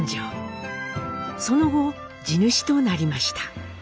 その後地主となりました。